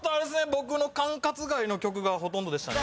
僕の管轄外の曲がほとんどでしたね。